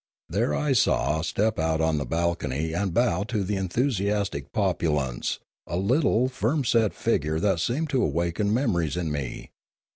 There I saw step out on a balcony and bow to the enthusiastic populace a little firm set figure that seemed to awaken memories in me.